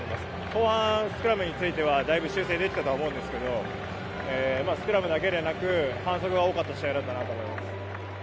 後半、スクラムについてはだいぶ修正できたと思うんですけどスクラムだけじゃなく反則が多かった試合だったと思います。